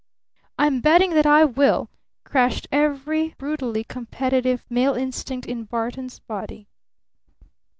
"I'M BETTING THAT I WILL!" crashed every brutally competitive male instinct in Barton's body.